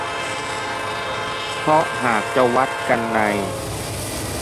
เพราะหากจะวัดกันใน